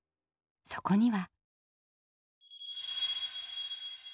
そこには。